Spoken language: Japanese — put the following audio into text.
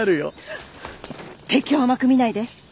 敵を甘く見ないで。